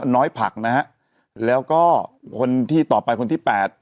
น้อยผักนะฮะแล้วก็คนที่ต่อไปคนที่๘